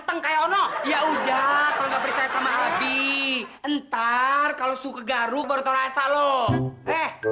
ganteng kayak ono ya udah kalau bercerai sama abi entar kalau suka garuk baru terasa loh eh